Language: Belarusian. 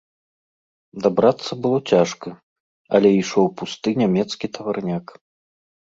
Дабрацца было цяжка, але ішоў пусты нямецкі таварняк.